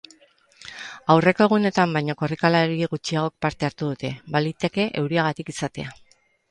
Aurreko egunetan baino korrikalari gutxiagok parte hartu dute, baliteke euriagatik izatea.